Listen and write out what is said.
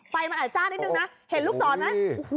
ไฟมันอาจารย์นิดนึงนะเห็นลูกศรนะ